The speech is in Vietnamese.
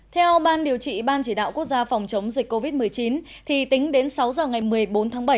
theo ban điều trị ban chỉ đạo quốc gia phòng chống dịch covid một mươi chín thì tính đến sáu giờ ngày một mươi bốn tháng bảy